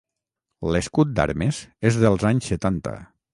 L'escut d'armes és dels anys setanta.